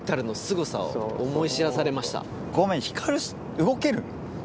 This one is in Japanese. ごめん光動ける？